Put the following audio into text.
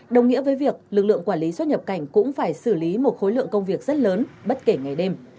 đồng nghĩa với việc lực lượng quản lý xuất nhập cảnh cũng phải xử lý một khối lượng công việc rất lớn bất kể ngày đêm